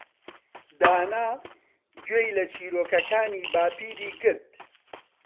دانا گوێی لە چیرۆکەکانی باپیری گرت.